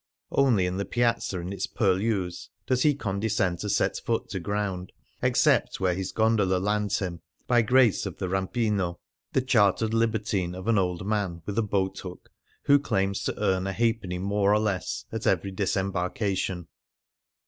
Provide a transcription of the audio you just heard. Only in the Piazza and its purlieus does he condescend to set foot to ground, except where his gondola 75 Thino;s Seen in Venice lands him (by grace of the rampino — the chartered libertine of an old man with a boat hook who claims to earn a halfpenny, more or less, at every disembarkation).